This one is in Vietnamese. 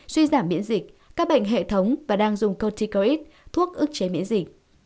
suy giảm miễn dịch các bệnh hệ thống và đang dùng corticoid thuốc ức chế miễn dịch